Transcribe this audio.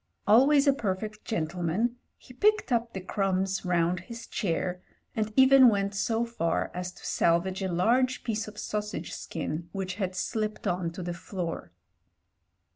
Always a perfect gentleman, he picked up the crumbs round his chair, and even went so far as to salvage a large piece of sausage skin which had slipped on to the floor.